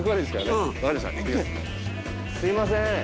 すいません。